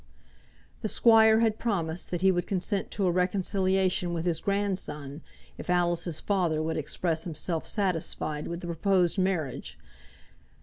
The squire had promised that he would consent to a reconciliation with his grandson, if Alice's father would express himself satisfied with the proposed marriage.